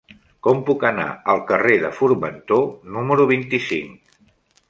Com puc anar al carrer de Formentor número vint-i-cinc?